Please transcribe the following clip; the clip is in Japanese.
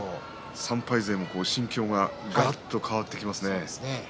３敗勢の心境ががらっと変わってきますね。